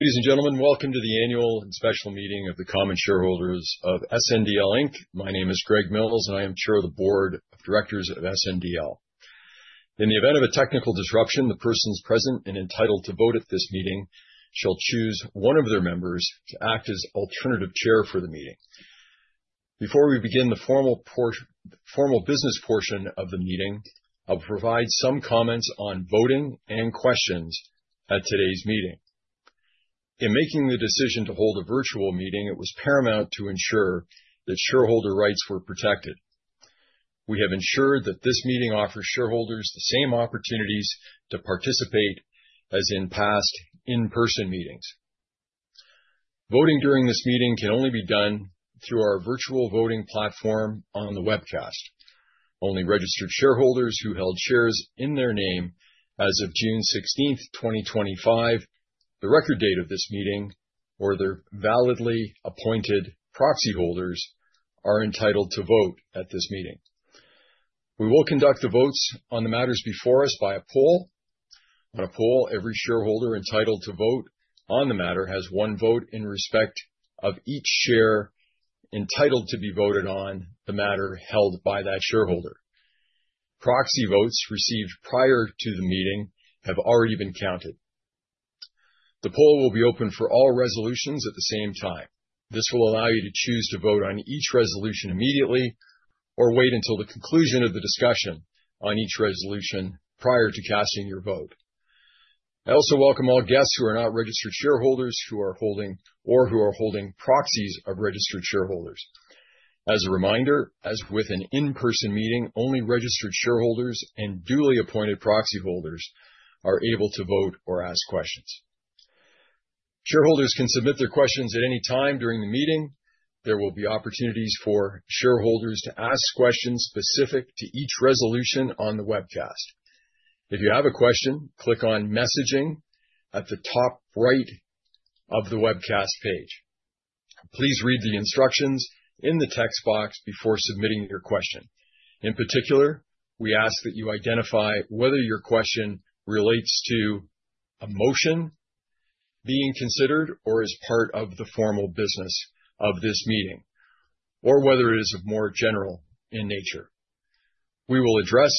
Ladies and gentlemen, welcome to the annual and special meeting of the common shareholders of SNDL Inc. My name is Greg Mills, and I am Chair of the Board of Directors of SNDL. In the event of a technical disruption, the persons present and entitled to vote at this meeting shall choose one of their members to act as alternative Chair for the meeting. Before we begin the formal business portion of the meeting, I will provide some comments on voting and questions at today's meeting. In making the decision to hold a virtual meeting, it was paramount to ensure that shareholder rights were protected. We have ensured that this meeting offers shareholders the same opportunities to participate as in past in-person meetings. Voting during this meeting can only be done through our virtual voting platform on the webcast. Only registered shareholders who held shares in their name as of June 16th, 2025, the record date of this meeting, or the validly appointed proxy holders are entitled to vote at this meeting. We will conduct the votes on the matters before us by a poll. On a poll, every shareholder entitled to vote on the matter has one vote in respect of each share entitled to be voted on the matter held by that shareholder. Proxy votes received prior to the meeting have already been counted. The poll will be open for all resolutions at the same time. This will allow you to choose to vote on each resolution immediately or wait until the conclusion of the discussion on each resolution prior to casting your vote. I also welcome all guests who are not registered shareholders or who are holding proxies of registered shareholders. As a reminder, as with an in-person meeting, only registered shareholders and duly appointed proxy holders are able to vote or ask questions. Shareholders can submit their questions at any time during the meeting. There will be opportunities for shareholders to ask questions specific to each resolution on the webcast. If you have a question, click on messaging at the top right of the webcast page. Please read the instructions in the text box before submitting your question. In particular, we ask that you identify whether your question relates to a motion being considered or is part of the formal business of this meeting, or whether it is more general in nature. We will address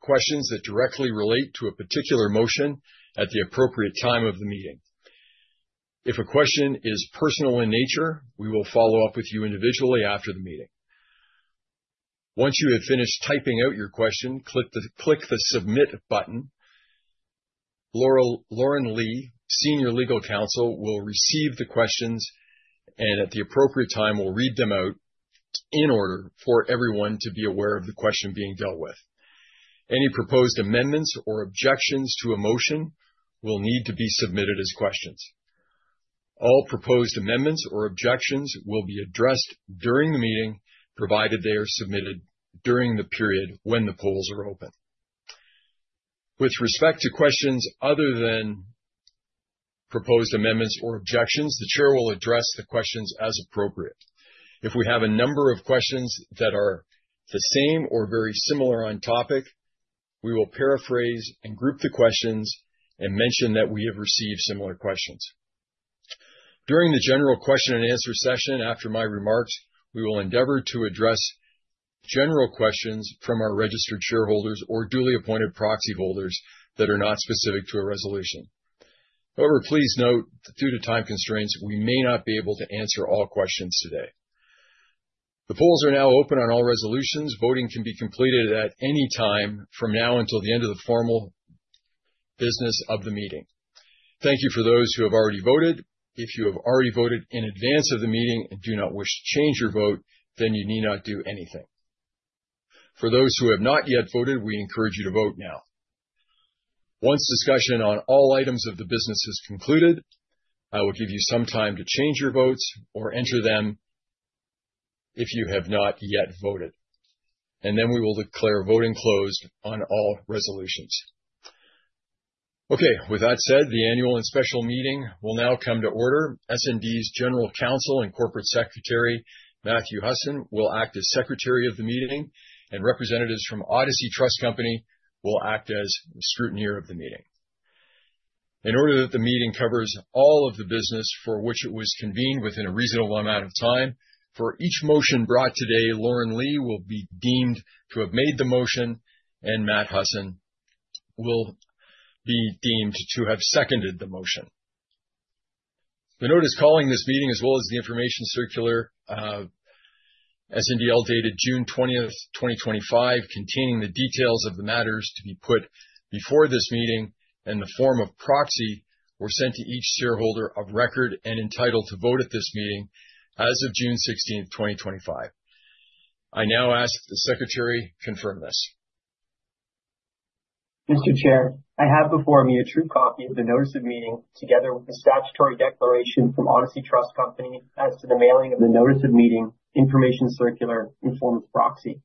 questions that directly relate to a particular motion at the appropriate time of the meeting. If a question is personal in nature, we will follow up with you individually after the meeting. Once you have finished typing out your question, click the submit button. Lauren Lee, Senior Legal Counsel, will receive the questions and at the appropriate time will read them out in order for everyone to be aware of the question being dealt with. Any proposed amendments or objections to a motion will need to be submitted as questions. All proposed amendments or objections will be addressed during the meeting, provided they are submitted during the period when the polls are open. With respect to questions other than proposed amendments or objections, the Chair will address the questions as appropriate. If we have a number of questions that are the same or very similar on topic, we will paraphrase and group the questions and mention that we have received similar questions. During the general question-and-answer session, after my remarks, we will endeavor to address general questions from our registered shareholders or duly appointed proxy holders that are not specific to a resolution. However, please note that due to time constraints, we may not be able to answer all questions today. The polls are now open on all resolutions. Voting can be completed at any time from now until the end of the formal business of the meeting. Thank you for those who have already voted. If you have already voted in advance of the meeting and do not wish to change your vote, then you need not do anything. For those who have not yet voted, we encourage you to vote now. Once discussion on all items of the business is concluded, I will give you some time to change your votes or enter them if you have not yet voted. We will declare voting closed on all resolutions. With that said, the annual and special meeting will now come to order. SNDL's General Counsel and Corporate Secretary, Matthew Hussain, will act as Secretary of the meeting, and representatives from Odyssey Trust Company will act as the scrutineer of the meeting. In order that the meeting covers all of the business for which it was convened within a reasonable amount of time, for each motion brought today, Lauren Lee will be deemed to have made the motion, and Matthew Hussain will be deemed to have seconded the motion. The notice calling this meeting, as well as the management information circular of SNDL dated June 20th, 2025, containing the details of the matters to be put before this meeting and the form of proxy, were sent to each shareholder of record and entitled to vote at this meeting as of June 16th, 2025. I now ask the Secretary to confirm this. Mr. Chair, I have before me a true copy of the notice of meeting together with the statutory declaration from Odyssey Trust Company as to the mailing of the notice of meeting, management information circular, and form of proxy.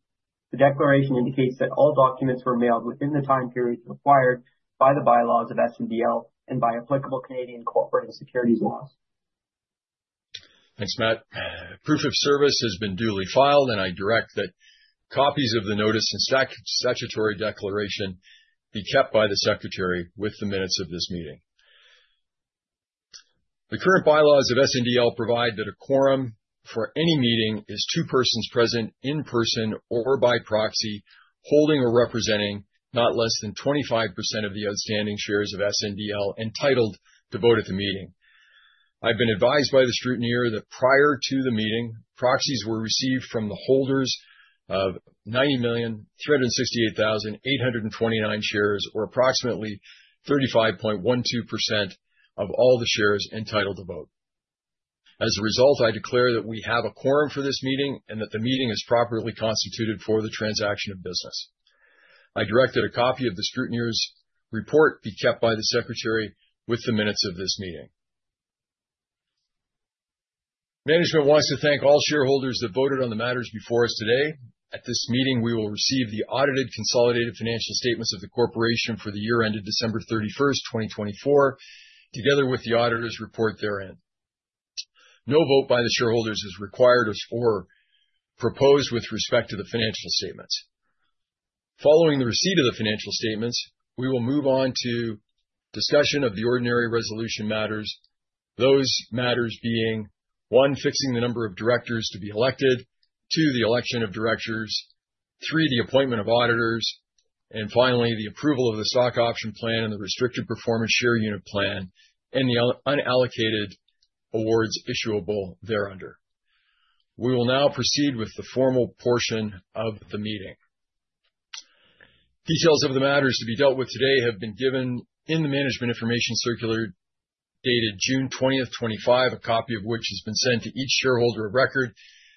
The declaration indicates that all documents were mailed within the time period required by the bylaws SNDL, and by applicable Canadian corporate and securities laws. Thanks, Matt. Proof of service has been duly filed, and I direct that copies of the notice and statutory declaration be kept by the Secretary with the minutes of this meeting. The current bylaws SNDL provide that a quorum for any meeting is two persons present in person or by proxy, holding or representing not less than 25% of the outstanding shares SNDL entitled to vote at the meeting. I've been advised by the scrutineer that prior to the meeting, proxies were received from the holders of 9.368829 million shares, or approximately 35.12% of all the shares entitled to vote. As a result, I declare that we have a quorum for this meeting and that the meeting is properly constituted for the transaction of business. I directed a copy of the scrutineer's report be kept by the Secretary with the minutes of this meeting. Management wants to thank all shareholders that voted on the matters before us today. At this meeting, we will receive the audited consolidated financial statements of the corporation for the year ended December 31st, 2024, together with the auditor's report therein. No vote by the shareholders is required as proposed with respect to the financial statements. Following the receipt of the financial statements, we will move on to discussion of the ordinary resolution matters, those matters being: one, fixing the number of directors to be elected; two, the election of directors; three, the appointment of auditors; and finally, the approval of the stock option plan and the restricted and performance share unit plan and the unallocated awards issuable thereunder. We will now proceed with the formal portion of the meeting. Details of the matters to be dealt with today have been given in the management information circular dated June 20th, 2025, a copy of which has been sent to each shareholder of record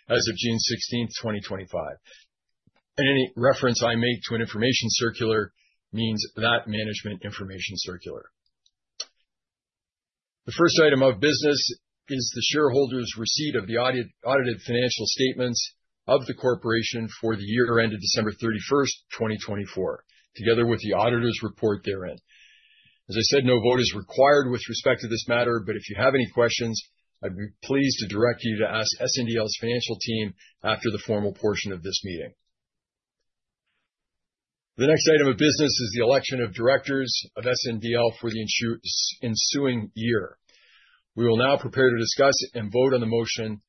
as of June 16th, 2025. Any reference I made to an information circular means that management information circular. The first item of business is the shareholders' receipt of the audited consolidated financial statements of the corporation for the year ended December 31st, 2024, together with the auditor's report therein. As I said, no vote is required with respect to this matter, but if you have any questions, I'd be pleased to direct you to ask SNDL's financial team after the formal portion of this meeting. The next item of business is the election of directors SNDL for the ensuing year. We will now prepare to discuss and vote on the motion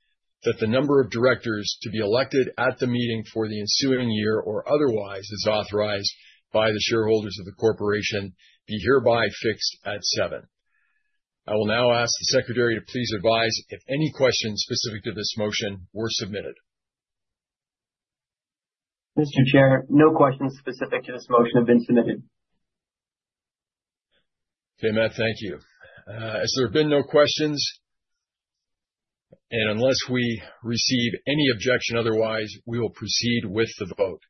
that the number of directors to be elected at the meeting for the ensuing year or otherwise as authorized by the shareholders of the corporation be hereby fixed at seven. I will now ask the Secretary to please advise if any questions specific to this motion were submitted. Mr. Chair, no questions specific to this motion have been submitted. Okay, Matt, thank you. As there have been no questions, and unless we receive any objection otherwise, we will proceed with the vote.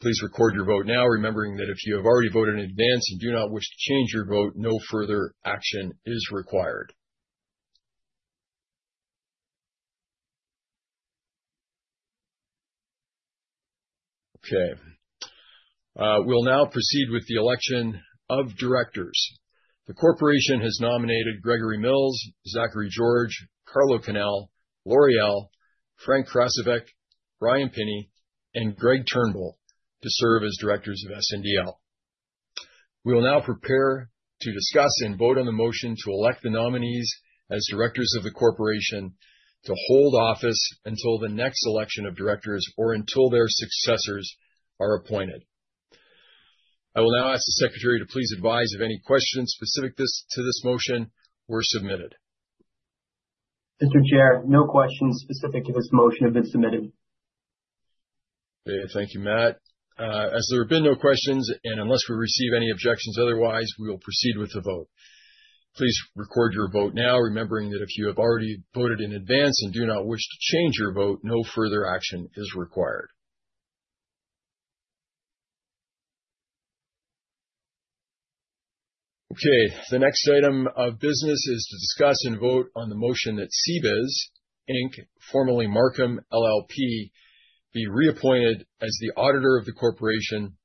Please record your vote now, remembering that if you have already voted in advance and do not wish to change your vote, no further action is required. Okay. We'll now proceed with the election of directors. The corporation has nominated Gregory Mills, Zachary George, Carlo Canal, Lauren Elbe, Frank Krasovec, Brian Pinney, and Greg Turnbull to serve as directors of SNDL. We will now prepare to discuss and vote on the motion to elect the nominees as directors of the corporation to hold office until the next election of directors or until their successors are appointed. I will now ask the Secretary to please advise if any questions specific to this motion were submitted. Mr. Chair, no questions specific to this motion have been submitted. Okay, thank you, Matt. As there have been no questions, and unless we receive any objections otherwise, we will proceed with the vote. Please record your vote now, remembering that if you have already voted in advance and do not wish to change your vote, no further action is required. Okay, the next item of business is to discuss and vote on the motion that CBIZ Inc, formerly Marcum LLP, be reappointed as the auditor of the corporation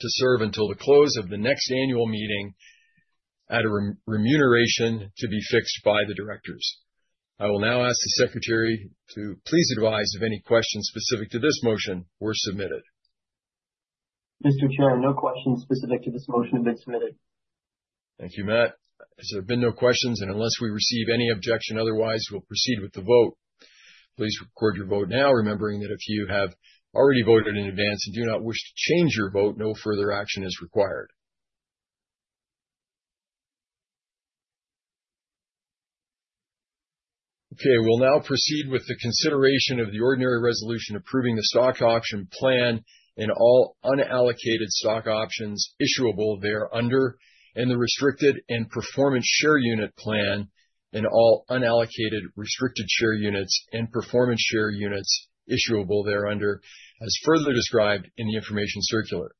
to serve until the close of the next annual meeting at a remuneration to be fixed by the directors. I will now ask the Secretary to please advise if any questions specific to this motion were submitted. Mr. Chair, no questions specific to this motion have been submitted. Thank you, Matt. As there have been no questions, and unless we receive any objection otherwise, we'll proceed with the vote. Please record your vote now, remembering that if you have already voted in advance and do not wish to change your vote, no further action is required. Okay, we'll now proceed with the consideration of the ordinary resolution approving the stock option plan and all unallocated stock options issuable thereunder, and the restricted and performance share unit plan and all unallocated restricted share units and performance share units issuable thereunder, as further described in the management information circular.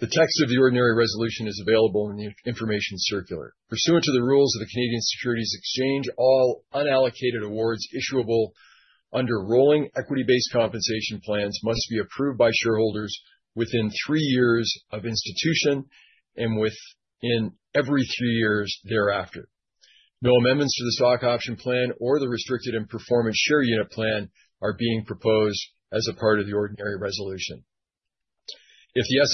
The text of the ordinary resolution is available in the management information circular. Pursuant to the rules of the Canadian Securities Exchange, all unallocated awards issuable under rolling equity-based compensation plans must be approved by shareholders within three years of institution and within every three years thereafter. No amendments to the stock option plan or the restricted and performance share unit plan are being proposed as a part of the ordinary resolution. If the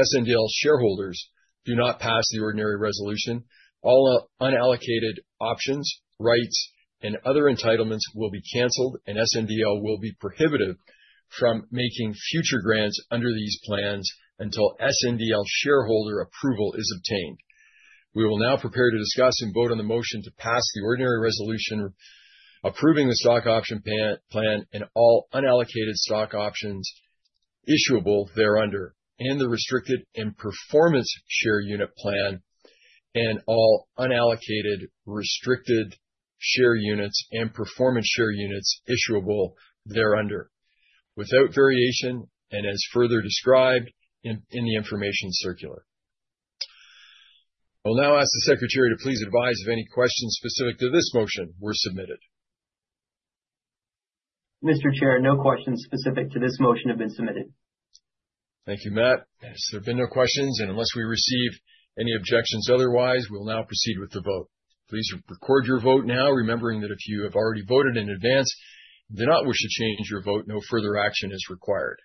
SNDL shareholders do not pass the ordinary resolution, all unallocated options, rights, and other entitlements will be canceled, and SNDL will be prohibited from making future grants under these plans until SNDL shareholder approval is obtained. We will now prepare to discuss and vote on the motion to pass the ordinary resolution approving the stock option plan and all unallocated stock options issuable thereunder, and the restricted and performance share unit plan and all unallocated restricted share units and performance share units issuable thereunder, without variation and as further described in the management information circular. I will now ask the Secretary to please advise if any questions specific to this motion were submitted. Mr. Chair, no questions specific to this motion have been submitted. Thank you, Matt. As there have been no questions, and unless we receive any objections otherwise, we'll now proceed with the vote. Please record your vote now, remembering that if you have already voted in advance and do not wish to change your vote, no further action is required.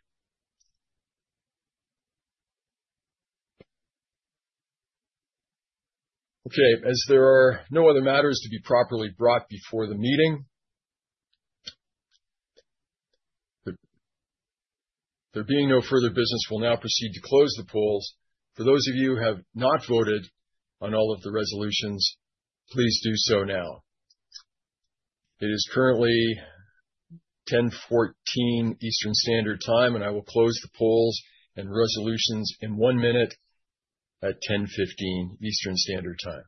Okay, as there are no other matters to be properly brought before the meeting, there being no further business, we'll now proceed to close the polls. For those of you who have not voted on all of the resolutions, please do so now. It is currently 10:14 A.M. Eastern Standard Time, and I will close the polls and resolutions in one minute at 10:15 A.M. Eastern Standard Time.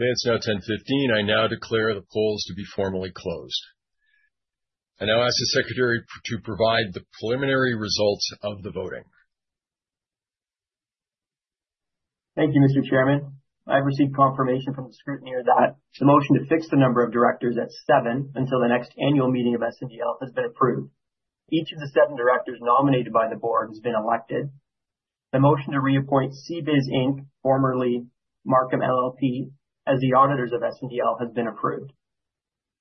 Okay, it's now 10:15 A.M. I now declare the polls to be formally closed. I now ask the Secretary to provide the preliminary results of the voting. Thank you, Mr. Chairman. I have received confirmation from the scrutineer that the motion to fix the number of directors at seven until the next annual meeting SNDL has been approved. Each of the seven directors nominated by the board has been elected. The motion to reappoint CBIZ, Inc, formerly Marcum LLP, as the auditors SNDL has been approved.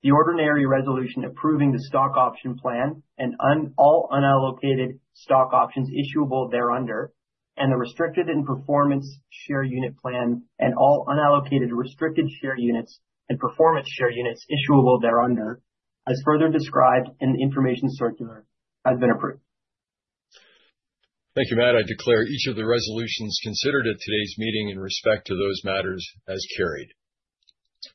The ordinary resolution approving the stock option plan and all unallocated stock options issuable thereunder, and the restricted and performance share unit plan and all unallocated restricted share units and performance share units issuable thereunder, as further described in the management information circular, have been approved. Thank you, Matt. I declare each of the resolutions considered at today's meeting in respect to those matters as carried.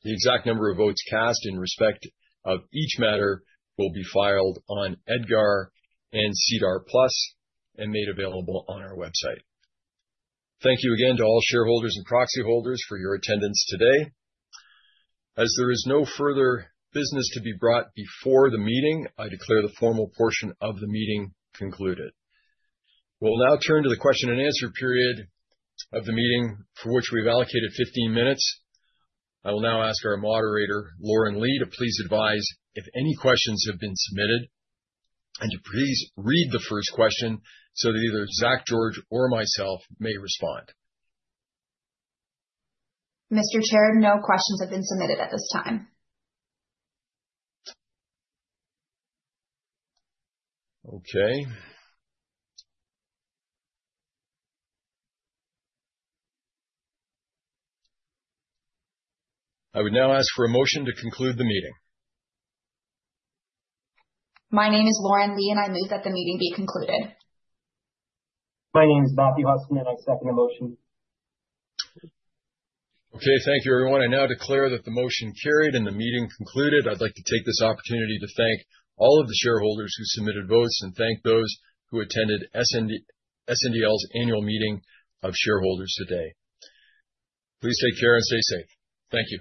The exact number of votes cast in respect of each matter will be filed on EDGAR and SEDAR+ and made available on our website. Thank you again to all shareholders and proxy holders for your attendance today. As there is no further business to be brought before the meeting, I declare the formal portion of the meeting concluded. We'll now turn to the question and answer period of the meeting for which we've allocated 15 minutes. I will now ask our moderator, Lauren Lee, to please advise if any questions have been submitted and to please read the first question so that either Zach George or myself may respond. Mr. Chair, no questions have been submitted at this time. Okay, I would now ask for a motion to conclude the meeting. My name is Lauren Lee, and I move that the meeting be concluded. My name is Matthew Hussain, and I'm seconding the motion. Okay, thank you, everyone. I now declare that the motion carried and the meeting concluded. I'd like to take this opportunity to thank all of the shareholders who submitted votes and thank those who attended SNDL's annual meeting of shareholders today. Please take care and stay safe. Thank you.